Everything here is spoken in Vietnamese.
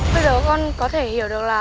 bây giờ con có thể hiểu được là